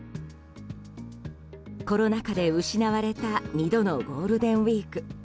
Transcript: コロナ禍で失われた２度のゴールデンウィーク。